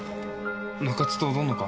中津と踊んのか？